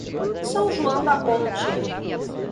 São João da Ponte